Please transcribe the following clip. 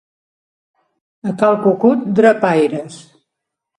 A cal Cucut, drapaires.